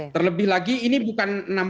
terlebih lagi ini bukan enam puluh